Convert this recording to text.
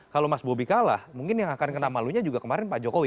kalau mas bobi kalah mungkin yang akan kena malunya juga kemarin pak jokowi